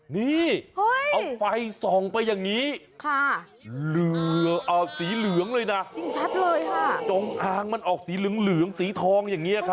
นี่เอาไฟส่องไปอย่างนี้เหลือเอาสีเหลืองเลยนะจริงชัดเลยค่ะจงอางมันออกสีเหลืองสีทองอย่างนี้ครับ